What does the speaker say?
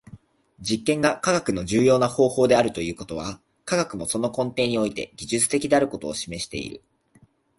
実験が科学の重要な方法であるということは、科学もその根底において技術的であることを示している。